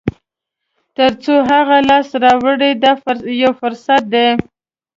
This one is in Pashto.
تر څو هغه لاسته راوړئ دا یو فرصت دی.